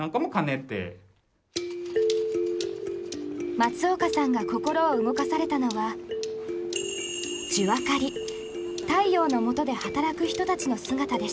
松岡さんが心を動かされたのはジュアカリ太陽のもとで働く人たちの姿でした。